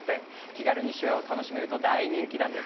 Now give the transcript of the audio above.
気軽に手話を楽しめると大人気なんです。